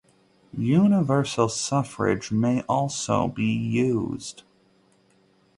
Universal suffrage may also be used.